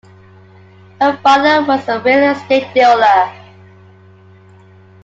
Her father was a real-estate dealer.